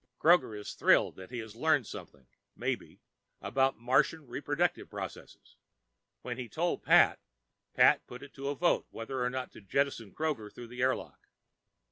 Kroger is thrilled that he is learning something, maybe, about Martian reproductive processes. When he told Pat, Pat put it to a vote whether or not to jettison Kroger through the airlock.